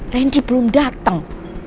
rendy belum dateng